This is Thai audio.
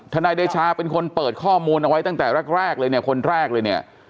นายเดชาเป็นคนเปิดข้อมูลเอาไว้ตั้งแต่แรกเลยเนี่ยคนแรกเลยเนี่ย